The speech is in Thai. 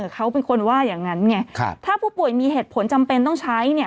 เขาเป็นคนว่าอย่างนั้นไงถ้าผู้ป่วยมีเหตุผลจำเป็นต้องใช้เนี่ย